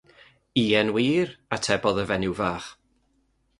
“Ie'n wir” atebodd y fenyw fach.